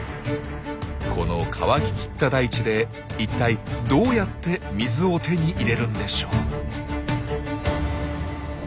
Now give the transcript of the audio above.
この乾ききった大地で一体どうやって水を手に入れるんでしょう？